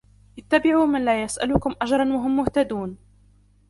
اتَّبِعُوا مَنْ لَا يَسْأَلُكُمْ أَجْرًا وَهُمْ مُهْتَدُونَ